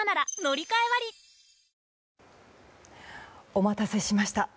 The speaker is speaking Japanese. お待たせしました。